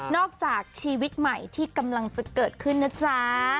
จากชีวิตใหม่ที่กำลังจะเกิดขึ้นนะจ๊ะ